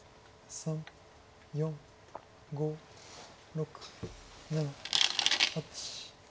３４５６７８。